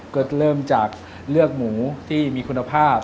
ก็เริ่มจากเลือกหมูที่มีคุณภาพ